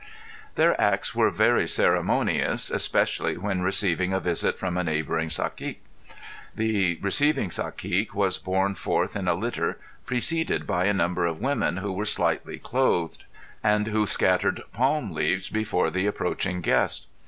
Their acts were very ceremonious especially when receiving a visit from a neighbouring cacique. The receiving cacique was borne forth in a litter preceded by a number of women who were slightly clothed, and who scattered palm leaves before the approaching guest.